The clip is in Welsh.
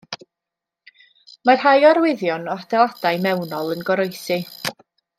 Mae rhai arwyddion o adeiladau mewnol yn goroesi.